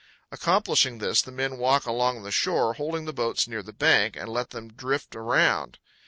Accomplishing this, the men walk along the shore, holding the boats near the bank, and let them drift around.